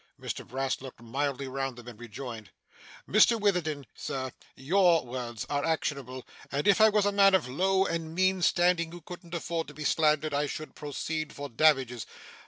Mr Brass looked mildly round upon them, and rejoined, 'Mr Witherden, sir, YOUR words are actionable, and if I was a man of low and mean standing, who couldn't afford to be slandered, I should proceed for damages.